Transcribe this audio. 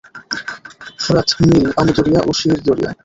ফোরাত, Nile, Amu Darya ও শির দরিয়া।